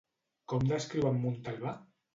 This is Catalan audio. Com descriu en Montalvà?